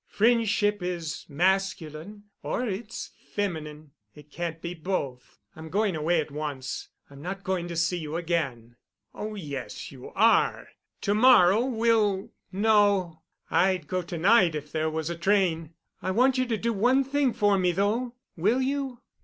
Friendship is masculine—or it's feminine. It can't be both. I'm going away at once. I'm not going to see you again." "Oh, yes, you are. To morrow we'll——" "No. I'd go to night if there was a train. I want you to do one thing for me, though. Will you?"